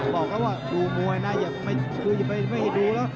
บอกกันว่าดูมวยนะอย่าไปไม่ดี